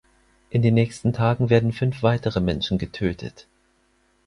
In den nächsten Tagen werden fünf weitere Menschen getötet.